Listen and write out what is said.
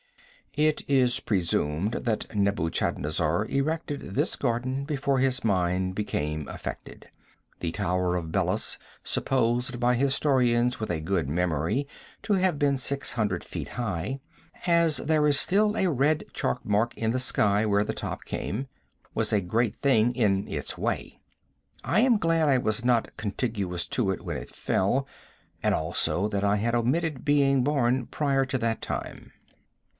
It is presumed that Nebuchadnezzar erected this garden before his mind became affected. The tower of Belus, supposed by historians with a good memory to have been 600 feet high, as there is still a red chalk mark in the sky where the top came, was a great thing in its way. I am glad I was not contiguous to it when it fell, and also that I had omitted being born prior to that time.